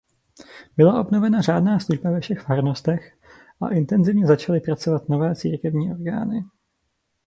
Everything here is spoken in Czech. Byla obnovena řádná služba ve všech farnostech a intenzivně začaly pracovat nové církevní orgány.